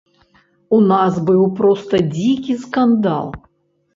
У нас быў проста дзікі скандал.